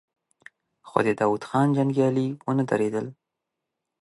خو د داوود خان جنګيالي ونه درېدل.